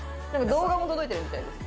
動画も届いてるみたいです。